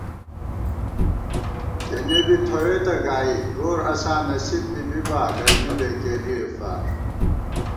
کېنےبی تھوئیتہ گائی گوراساں نصیب بی بِبا للمی بېکېلِئی فار